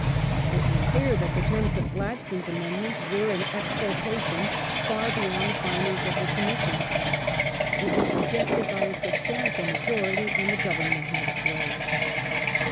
It was clear that the terms of Gladstone's amendment went, in exculpation, far beyond the findings of the Commission; it was rejected by a substantial majority, and the Government had its way.